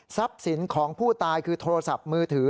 สินของผู้ตายคือโทรศัพท์มือถือ